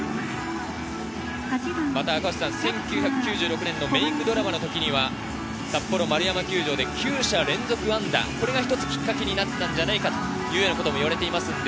１９９６年のメークドラマの時には、札幌円山球場で９者連続安打、これがきっかけになったのではないかといわれています。